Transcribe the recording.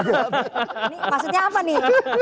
ini maksudnya apa nih